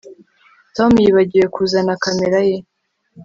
Tom yibagiwe kuzana kamera ye